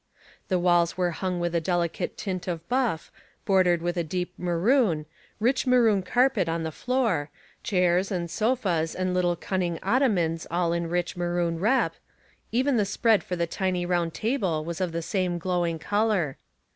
The walls were hung with a delicate tint of buff, bor dered with a deep maroon, rich maroon carpet on the floor, chairs and sofas and little cunning ottomans all in rich maroon rep,— even the spread for the tiny rouud table was of the same glowing color.